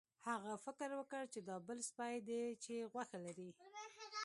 هغه فکر وکړ چې دا بل سپی دی چې غوښه لري.